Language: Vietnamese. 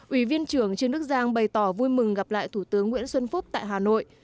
ủy viên trưởng trương đức giang bày tỏ vui mừng gặp lại thủ tướng nguyễn xuân phúc tại hà nội